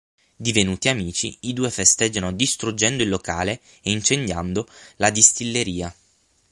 Divenuti amici, i due festeggiano distruggendo il locale e incendiando la distilleria.